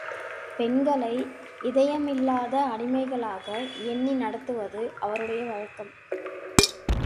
பெண்களை இதயமில்லாத அடிமைகளாக எண்ணி நடத்துவது அவருடைய வழக்கம்.